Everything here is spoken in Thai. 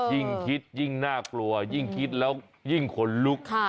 ยิ่งคิดยิ่งน่ากลัวยิ่งคิดแล้วยิ่งขนลุก